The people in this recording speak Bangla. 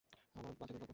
আমার বাজে দুর্ভাগ্য।